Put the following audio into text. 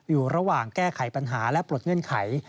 อยู่ระหว่างแก้ไขปัญหาและปลดเงื่อนไข